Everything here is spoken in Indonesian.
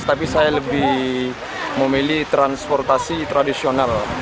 tapi saya lebih memilih transportasi tradisional